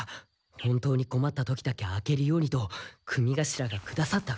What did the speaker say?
本当に困った時だけ開けるようにと組頭がくださった封書！